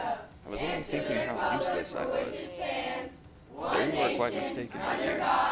I was only thinking how useless I was." "There you are quite mistaken, my dear.